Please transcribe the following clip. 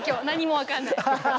何も分かんない。